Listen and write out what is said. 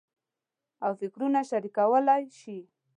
او فکرونه شریکولای شي.